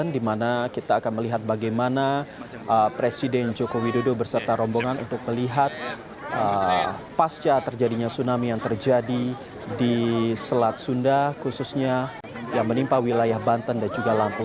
di mana kita akan melihat bagaimana presiden joko widodo berserta rombongan untuk melihat pasca terjadinya tsunami yang terjadi di selat sunda khususnya yang menimpa wilayah banten dan juga lampung